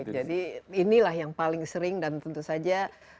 jadi inilah yang paling sering dan tentu saja